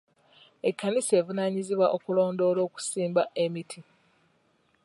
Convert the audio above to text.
Ekkanisa evunaanyizibwa okulondoola okusimba emiti.